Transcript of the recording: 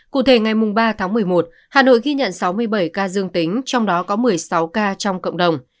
cụ thể ngày ba tháng một mươi một hà nội ghi nhận sáu mươi bảy ca dương tính trong đó có một mươi sáu ca trong cộng đồng